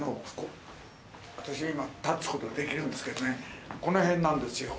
私今、立つことできるんですけどね、このへんなんですよ。